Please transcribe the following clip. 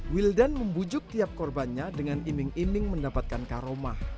wildan membujuk tiap korbannya dengan iming iming mendapatkan karomah